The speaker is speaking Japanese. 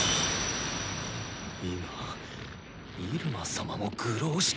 今入間様も愚弄したのか？